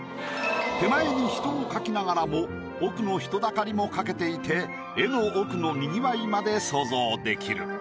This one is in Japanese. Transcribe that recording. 手前に人を描きながらも奥の人だかりも描けていて絵の奥のにぎわいまで想像できる。